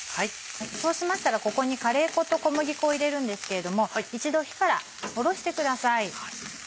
そうしましたらここにカレー粉と小麦粉を入れるんですけれども一度火から下ろしてください。